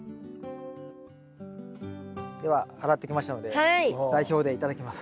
では洗ってきましたので代表で頂きます。